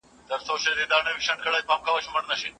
رسول الله صلی الله عليه وسلم وفرمايل: